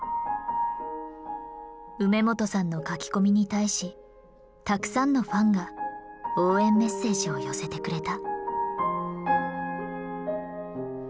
梅元さんの書き込みに対したくさんのファンが応援メッセージを寄せてくれた。